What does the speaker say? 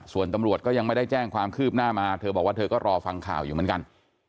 ส่วนตำรวจก็ยังไม่ได้แจ้งความคืบหน้ามาเธอบอกว่าเธอก็รอฟังข่าวอยู่เหมือนกัน